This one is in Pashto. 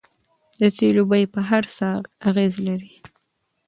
د تیلو بیې په هر څه اغیز لري.